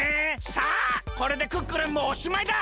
さあこれでクックルンもおしまいだ。